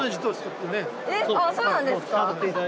えっあっそうなんですか。